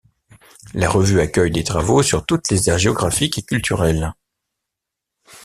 La revue accueille des travaux sur toutes les aires géographiques et culturelles.